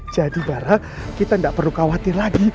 jadi para kita tidak perlu khawatir lagi